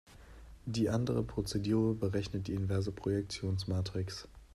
Die andere Prozedur berechnet die inverse Projektionsmatrix.